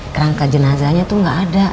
kerangka jenazahnya itu nggak ada